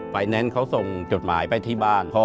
แนนซ์เขาส่งจดหมายไปที่บ้าน